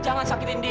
jangan sakitin dia